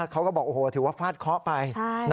เขาก็บอกโอ้โหถือว่าฟาดเคาะไป